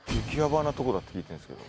だって聞いてるんですけど。